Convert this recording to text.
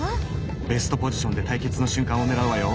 ベストポジションで対決の瞬間をねらうわよ。